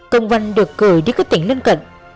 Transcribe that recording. công văn được gửi đi các tỉnh lân cận